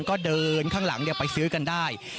ก็เดินข้างหลังไปซื้อกันได้